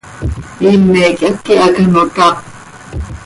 ¿Iime quih háqui hac ano tap?